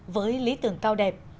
với lý tưởng cao đẹp